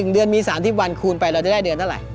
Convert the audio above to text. ๑เดือนมี๓๐วันคูณไปเราจะได้เดือนเท่าไหร่